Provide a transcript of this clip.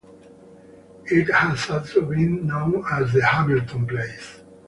It has also been known as The Hamilton Place.